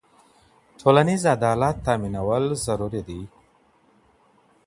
ټولنیز عدالت تامینول ضروري دي.